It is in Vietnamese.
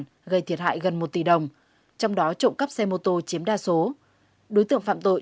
gây thiệt hại gần một tỷ đồng trong đó trộm cắp xe mô tô chiếm đa số đối tượng phạm tội